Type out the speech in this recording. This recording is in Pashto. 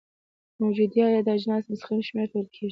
موجودیه د اجناسو مستقیم شمیر ته ویل کیږي.